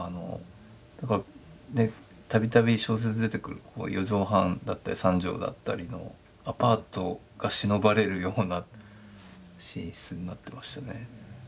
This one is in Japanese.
度々小説に出てくる４畳半だったり３畳だったりのアパートがしのばれるような寝室になってましたね。